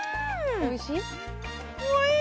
おいしい！